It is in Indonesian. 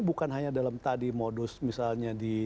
bukan hanya dalam tadi modus misalnya di